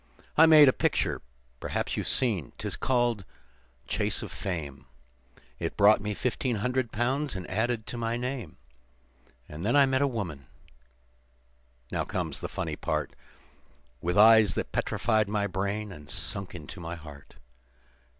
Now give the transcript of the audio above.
"I made a picture perhaps you've seen, 'tis called the `Chase of Fame.' It brought me fifteen hundred pounds and added to my name, And then I met a woman now comes the funny part With eyes that petrified my brain, and sunk into my heart.